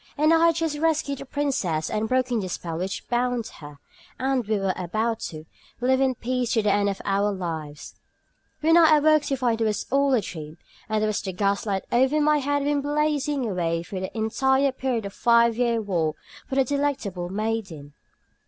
and I had just rescued the princess and broken the spell which bound her, and we were about to "live in peace to the end of our lives," when I awoke to find it was all a dream, and that the gas light over my bed had been blazing away during the entire period of my five year war for the delectable maiden.